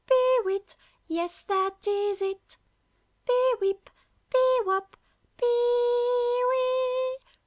pee wit! Yes, that is it! Pee wip! pee wop! pee wee!"